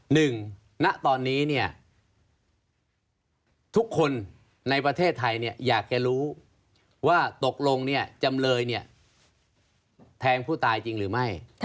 หนึ่งณตอนนี้เนี่ยทุกคนในประเทศไทยเนี่ยอยากจะรู้ว่าตกลงเนี่ยจำเลยเนี่ยแทงผู้ตายจริงหรือไม่